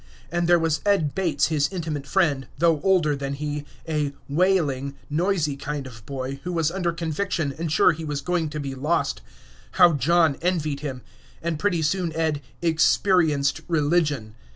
And there was Ed Bates his intimate friend, though older than he, a "whaling," noisy kind of boy, who was under conviction and sure he was going to be lost. How John envied him! And pretty soon Ed "experienced religion."